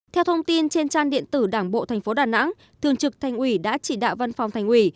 theo thông tin trên trang điện tử đảng bộ thành phố đà nẵng thường trực thành quỷ đã chỉ đạo văn phòng thành quỷ